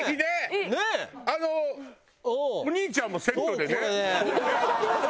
お兄ちゃんもセットでね。